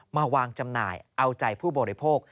มาวางจำหน่ายเอาใจผู้บริโภค